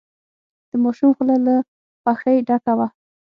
د ماشوم خوله له خوښۍ ډکه وه.